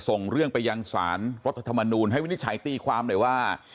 ส่งเรื่องไปยังสารรัฐธรรมนูลให้วินิจฉัยตีความหน่อยว่า